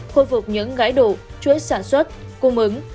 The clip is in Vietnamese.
khôi phục những gãy đổ chuỗi sản xuất cung ứng